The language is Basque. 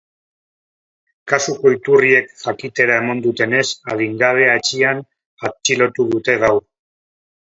Kasuko iturriek jakitera eman dutenez, adingabea etxean atxilotu dute gaur.